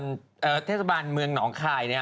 เทศบาลเมืองหนองคายเนี่ย